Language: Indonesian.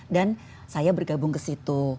dan saya bergabung ke situ